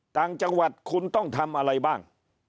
ต่างจังหวัดคุณต้องทำอะไรบ้าง